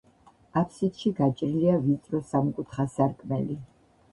აფსიდში გაჭრილია ვიწრო სამკუთხა სარკმელი.